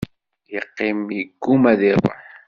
Yeqqim igumma ad iruḥ.